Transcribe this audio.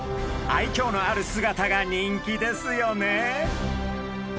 愛きょうのある姿が人気ですよね。